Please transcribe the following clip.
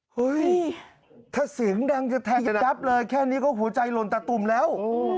เฮ้ยถ้าเสียงดังจะแทงจ๊บเลยแค่นี้ก็หัวใจหล่นตะตุ่มแล้ว